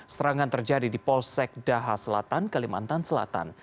serangan terjadi di polsek daha selatan kalimantan selatan